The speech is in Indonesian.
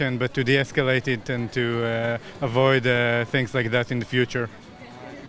tetapi untuk mengeskalasikannya dan mengelakkan hal hal seperti itu di masa depan